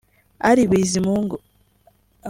Ali Bizimungu